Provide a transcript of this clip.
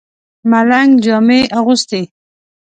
ملنګ جامې اغوستې.